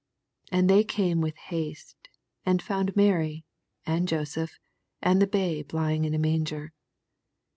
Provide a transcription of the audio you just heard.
16 And they came wtth haste, and found Mary, and Joseph, and the babe lying in a manger.